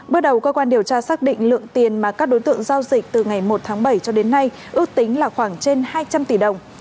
bước đầu cơ quan điều tra xác định lượng tiền mà các đối tượng giao dịch từ ngày một tháng bảy cho đến nay ước tính là khoảng trên hai trăm linh tỷ đồng